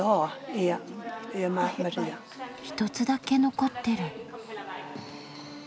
ひとつだけ残ってる。